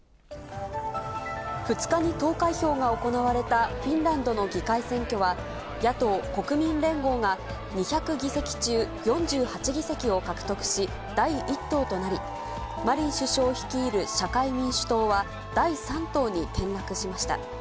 ２日に投開票が行われたフィンランドの議会選挙は、野党・国民連合が、２００議席中４８議席を獲得し、第１党となり、マリン首相率いる社会民主党は、第３党に転落しました。